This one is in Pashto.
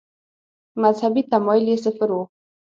مذهبي تمایل یې صفر و.